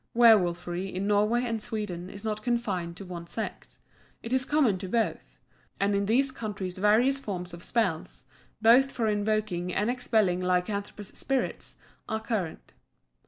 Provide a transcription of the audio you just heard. Werwolfery in Norway and Sweden is not confined to one sex; it is common to both; and in these countries various forms of spells, both for invoking and expelling lycanthropous spirits, are current.